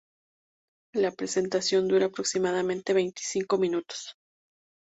La presentación dura aproximadamente veinticinco minutos.